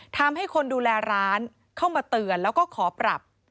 ทำให้คนดูแลร้านเข้ามาเตือนแล้วก็ขอปรับ